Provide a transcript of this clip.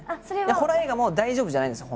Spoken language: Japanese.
ホラー映画も大丈夫じゃないんですよ